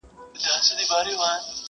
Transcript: پرېږده چي دي مخي ته بلېږم ته به نه ژاړې.!